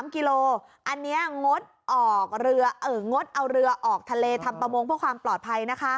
๒กิโลอันนี้งดออกงดเอาเรือออกทะเลทำประมงเพื่อความปลอดภัยนะคะ